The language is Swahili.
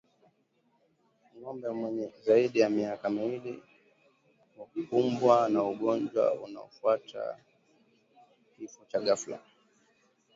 Ngombe mwenye zaidi ya miaka miwili hukumbwa na ugonjwa unaofuatiwa na kifo cha ghafla